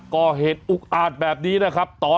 ก่อเหตุอุกอาจแบบนี้นะครับ